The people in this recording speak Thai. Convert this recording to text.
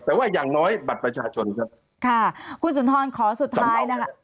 แต่ว่าอย่างน้อยบัตรประชาชนครับค่ะคุณสุนทรขอสุดท้ายนะคะ